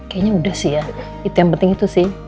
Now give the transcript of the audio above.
kayaknya udah sih ya itu yang penting itu sih